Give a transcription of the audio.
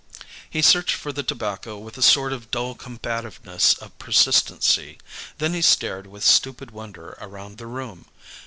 He searched for the tobacco with a sort of dull combativeness of persistency; then he stared with stupid wonder around the room.